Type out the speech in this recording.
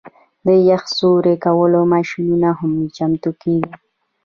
د یخ سوري کولو ماشینونه هم چمتو کیږي